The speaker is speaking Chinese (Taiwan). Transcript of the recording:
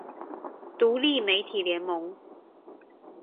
獨立媒體聯盟